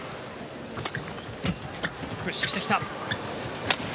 プッシュしてきた。